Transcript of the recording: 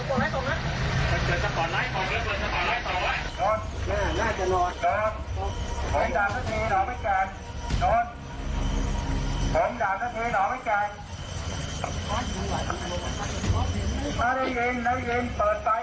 โดนลองเธอจ่ายพี่ดีไหมพี่จะทำให้ทุกสิ่งงามโดนลองฟังพี่ด้วย